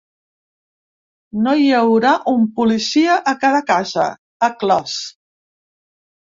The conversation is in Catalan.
“No hi haurà un policia a cada casa”, ha clos.